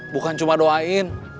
bukan cuma doain